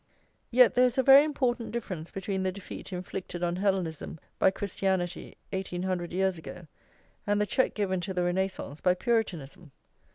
Yet there is a very important difference between the defeat inflicted on Hellenism by Christianity eighteen hundred years ago, and the check given to the Renascence by Puritanism.